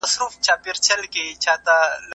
دومار هم د ودي په اړه خپل نظر درلود.